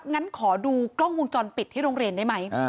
งั้นขอดูกล้องวงจรปิดที่โรงเรียนได้ไหม